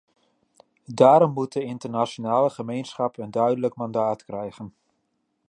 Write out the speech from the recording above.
Daarom moet de internationale gemeenschap een duidelijk mandaat krijgen.